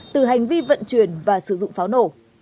từ hành vi vận chuyển và sử dụng pháo nổ